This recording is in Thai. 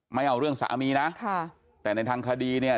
ไม่เอาเรื่องสามีนะค่ะแต่ในทางคดีเนี่ย